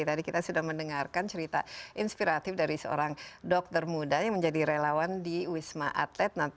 tadi kita sudah mendengarkan cerita inspiratif dari seorang dokter muda yang menjadi relawan di wisma atlet